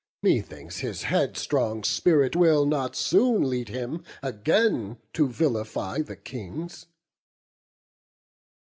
Methinks his headstrong spirit will not soon Lead him again to vilify the Kings."